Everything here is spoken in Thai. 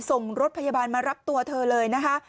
ส่งรถพยาบาลมารับตัวเธอเลยนะคะ